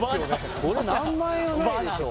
これ何万円はないでしょう